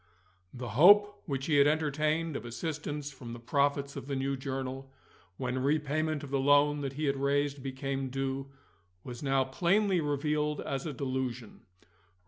The hope which he had entertained of assistance from the profits of the new journal, when repayment of the loan that he had raised became due, was now plainly revealed as a delusion.